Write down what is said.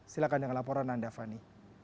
silahkan dengan laporan anda fani